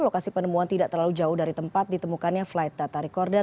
lokasi penemuan tidak terlalu jauh dari tempat ditemukannya flight data recorder